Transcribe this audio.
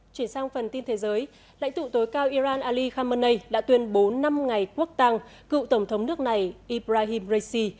chuyển sang phần tin thế giới lãnh tụ tối cao iran ali khamenei đã tuyên bố năm ngày quốc tăng cựu tổng thống nước này ibrahim raisi